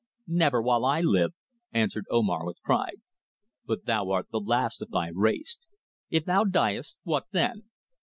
"Never, while I live," answered Omar with pride. "But thou art the last of thy race. If thou diest what then?"